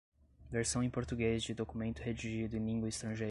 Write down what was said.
versão em português de documento redigido em língua estrangeira